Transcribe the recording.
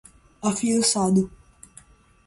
afiançado